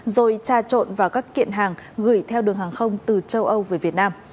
rồi tra trộn vào các kiện hàng gửi theo đường hàng không từ châu âu về việt nam